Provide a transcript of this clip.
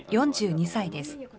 ４２歳です。